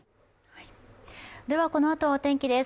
このあとはお天気です。